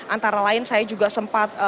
antara lain saya juga sempat